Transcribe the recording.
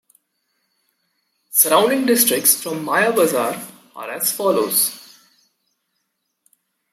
Surrounding districts from Maya Bazar are as follows.